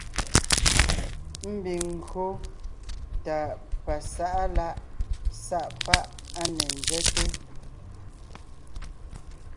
Ḿbiŋ ńgÿo tà pasá’a lá’ sá’ pá’ á ne ńzέte,